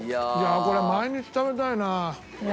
これは毎日食べたいな。